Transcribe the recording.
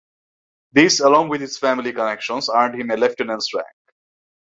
This, along with his family connections, earned him a Lieutenant's rank.